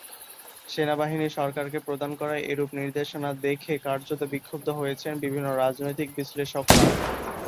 সেনাবাহিনীর সরকারকে প্রদান করা এরূপ নির্দেশনা দেখে কার্যত বিক্ষুব্ধ হয়েছেন বিভিন্ন রাজনৈতিক বিশ্লেষকরা।